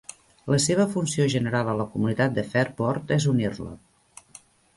La seva funció general a la comunitat de Fairport és unir-la.